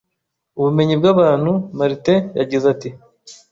ubumenyi bw'abantu. Martin yagize ati: